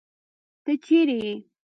تۀ چېرې ئې ؟